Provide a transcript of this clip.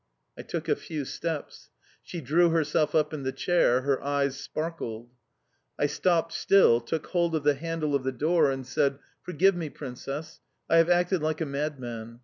I took a few steps... She drew herself up in the chair, her eyes sparkled. I stopped still, took hold of the handle of the door, and said: "Forgive me, Princess. I have acted like a madman...